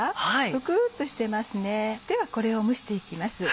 プクっとしてますねではこれを蒸していきます。